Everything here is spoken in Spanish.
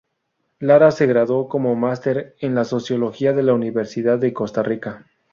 Lara se graduó como máster en sociología de la Universidad de Costa Rica.